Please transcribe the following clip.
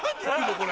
これ。